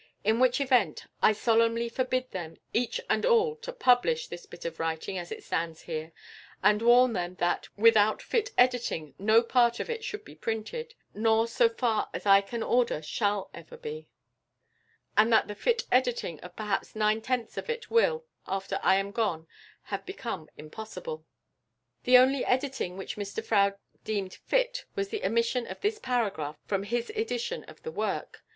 In which event, I solemnly forbid them, each and all, to publish this bit of writing as it stands here, and warn them that without fit editing no part of it should be printed (nor so far as I can order shall ever be), and that the 'fit editing' of perhaps nine tenths of it will, after I am gone, have become impossible." The only editing which Mr Froude deemed "fit" was the omission of this paragraph from his edition of the work.